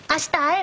え。